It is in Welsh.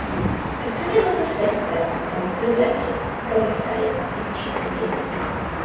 Ysgrifennwch lythyr adref, gan ddisgrifio eich brofiadau a sut rydych yn teimlo.